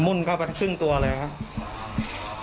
มุ่นเข้าไปครึ่งตัวเลยครับ